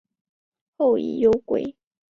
后以忧归。